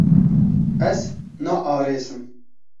Ez naarêsim.